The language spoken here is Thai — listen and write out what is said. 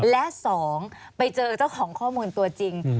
และ๒ไปเจอเจ้าของข้อมูลตัวจริง